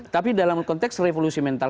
tapi dalam konteks revolusi mental